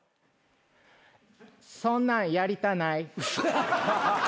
そんなんやりたない。